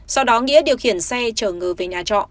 sau đó nghĩa điều khiển xe chở người về nhà trọ